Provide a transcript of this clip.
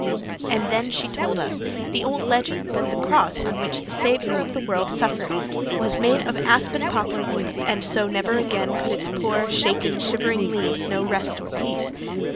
And then she told us the old legend that the cross on which the Saviour of the world suffered was made of aspen poplar wood and so never again could its poor, shaken, shivering leaves know rest or peace.